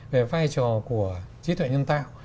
về vai trò của trí tuệ nhân tạo